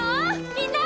みんな！